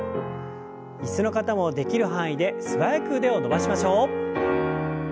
椅子の方もできる範囲で素早く腕を伸ばしましょう。